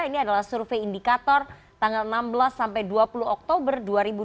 ini adalah survei indikator tanggal enam belas sampai dua puluh oktober dua ribu dua puluh